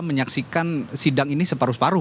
menyaksikan sidang ini separuh separuh